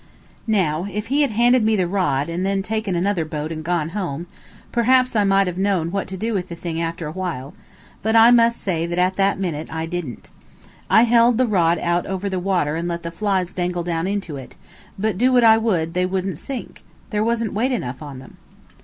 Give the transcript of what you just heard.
Now, if he had handed me the rod, and then taken another boat and gone home, perhaps I might have known what to do with the thing after a while, but I must say that at that minute I didn't. I held the rod out over the water and let the flies dangle down into it, but do what I would, they wouldn't sink; there wasn't weight enough on them.